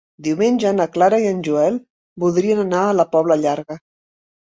Diumenge na Clara i en Joel voldrien anar a la Pobla Llarga.